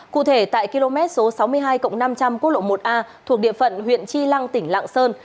cụ thể tại km số sáu mươi hai năm trăm linh quốc lộ một a thuộc địa phận huyện chi lăng tỉnh lạng sơn